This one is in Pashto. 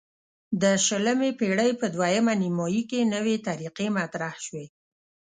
د شلمې پیړۍ په دویمه نیمایي کې نوې طریقې مطرح شوې.